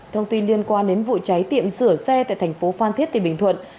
thông tin liên quan đến vụ cháy tiệm sửa xe tại thành phố phan thiết tỉnh bình thuận